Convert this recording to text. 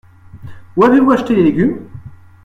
Où avez-vous acheté les légumes ?